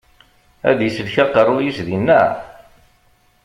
Ad isellek aqeṛṛu-yis dinna?